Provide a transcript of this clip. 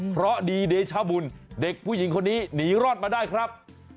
เพราะดีเดชบุญเด็กผู้หญิงคนนี้หนีรอดมาได้ครับ